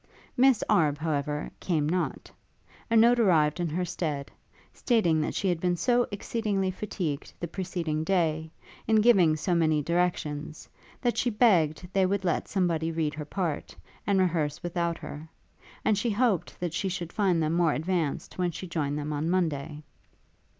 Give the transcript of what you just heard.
Miss Arbe, however, came not; a note arrived in her stead, stating that she had been so exceedingly fatigued the preceding day, in giving so many directions, that she begged they would let somebody read her part, and rehearse without her; and she hoped that she should find them more advanced when she joined them on Monday.